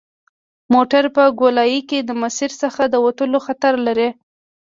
موټر په ګولایي کې د مسیر څخه د وتلو خطر لري